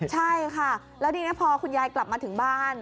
ใช่ค่ะแล้วทีนี้พอคุณยายกลับมาถึงบ้าน